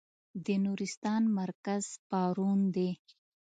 د نورستان مرکز پارون دی.